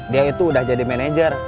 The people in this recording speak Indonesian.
dia itu udah jadi manajer